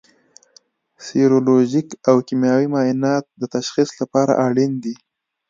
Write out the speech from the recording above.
سیرولوژیک او کیمیاوي معاینات د تشخیص لپاره اړین دي.